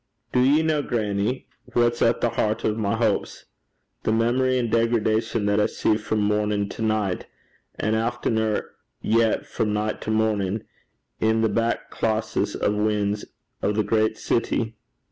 'Do ye ken, grannie, what's at the hert o' my houps i' the meesery an' degradation that I see frae mornin' to nicht, and aftener yet frae nicht to mornin' i' the back closes and wynds o' the great city?'